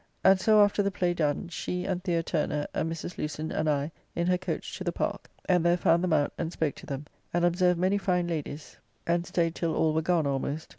And so after the play done, she and The. Turner and Mrs. Lucin and I, in her coach to the Park; and there found them out, and spoke to them; and observed many fine ladies, and staid till all were gone almost.